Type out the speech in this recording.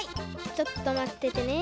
ちょっとまっててね。